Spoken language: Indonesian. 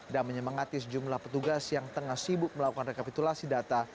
dan menyemengati sejumlah petugas yang tengah sibuk melakukan rekapitulasi data